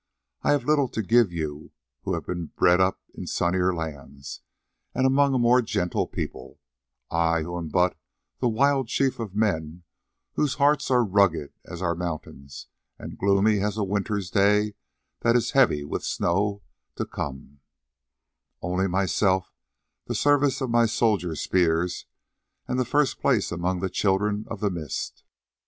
I have little to give you who have been bred up in sunnier lands, and among a more gentle people; I who am but the wild chief of men whose hearts are rugged as our mountains, and gloomy as a winter's day that is heavy with snow to come,—only myself, the service of my soldiers' spears, and the first place among the Children of the Mist.